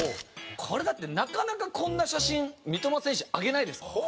これだってなかなかこんな写真三笘選手上げないですからこれはかなり貴重ですね。